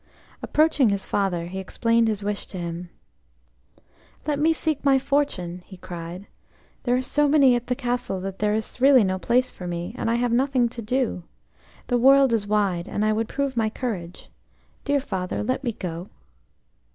Approaching his father, he explained his wish to him. "Let me seek my fortune!" he cried. "There are so many at the castle that there is really no place for me, and I have nothing to do. The world is wide and I would prove my courage. Dear father, let me go!"